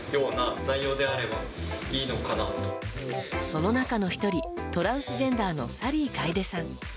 その中の１人トランスジェンダーのサリー楓さん。